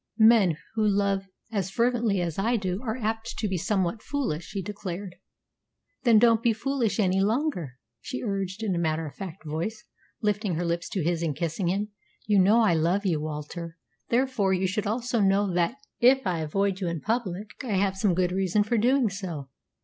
"Men who love as fervently as I do are apt to be somewhat foolish," he declared. "Then don't be foolish any longer," she urged in a matter of fact voice, lifting her lips to his and kissing him. "You know I love you, Walter; therefore you should also know that it I avoid you in public I have some good reason for doing so."